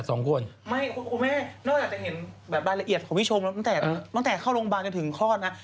ไม่คุณแม่หน้าว่าจะเห็นรายละเอียดของผู้ชมตั้งแต่เข้าโรงพยาบาลไปถึงคลอดนะ